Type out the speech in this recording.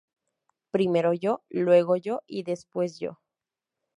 Primero yo, luego yo, y después yo